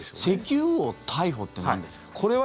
石油王逮捕ってなんですか？